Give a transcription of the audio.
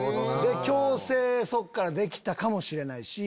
矯正そこからできたかもしれないし。